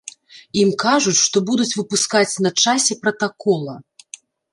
Ім кажуць, што будуць выпускаць на часе пратакола.